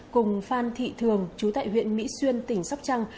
cùng phan thị thường chú tại huyện mỹ xuyên tỉnh sóc trăng